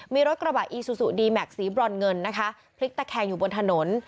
มีรถกระบะอีซูซูดีแม็กซีบรอนเงินนะคะพลิกตะแคงอยู่บนถนน